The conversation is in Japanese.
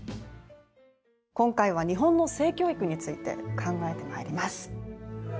今回は日本の性教育について考えてまいります。